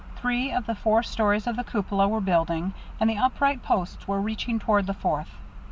Three of the four stories of the cupola were building, and the upright posts were reaching toward the fourth.